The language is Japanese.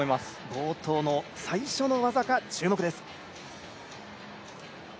冒頭の最初の技が注目です。